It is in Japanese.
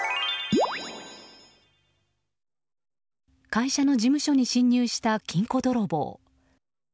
会社の事務所に侵入した金庫泥棒。